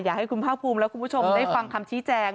อยากให้คุณภาคภูมิและคุณผู้ชมได้ฟังคำชี้แจง